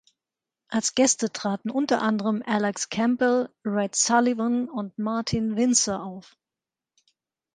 Als Gäste traten unter anderem Alex Campbell, Redd Sullivan und Martin Winsor auf.